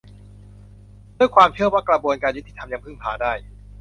ด้วยความเชื่อว่ากระบวนการยุติธรรมยังพึ่งพาได้